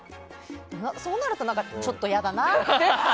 そうなるとちょっと嫌だなって。